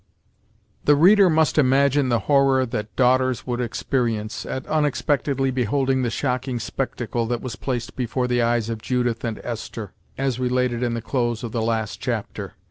The reader must imagine the horror that daughters would experience, at unexpectedly beholding the shocking spectacle that was placed before the eyes of Judith and Esther, as related in the close of the last chapter.